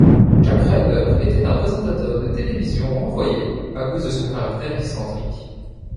Jack Ryder était un présentateur de télévision renvoyé à cause de son caractère excentrique.